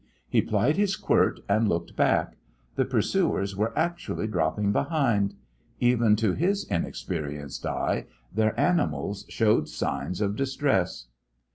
He plied his quirt, and looked back. The pursuers were actually dropping behind. Even to his inexperienced eye their animals showed signs of distress.